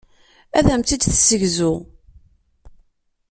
Ad am-t-id-tessegzu.